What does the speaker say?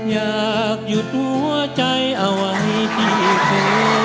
อยากหยุดหัวใจเอาไว้ที่เธอ